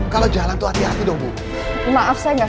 yang cantik sehat dan mempunyai futures yang tinggi